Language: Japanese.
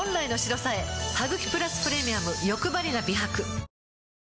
「ハグキプラスプレミアムよくばりな美白」